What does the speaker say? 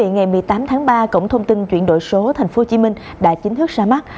ngày một mươi tám tháng ba cổng thông tin chuyển đổi số tp hcm đã chính thức ra mắt